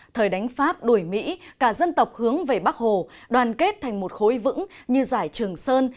thời đánh pháp đuổi mỹ cả dân tộc hướng về bắc hồ đoàn kết thành một khối vững như giải trường sơn